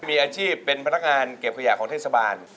มีอาชีพเป็นพนักงานเก็บขยะของเทศบาล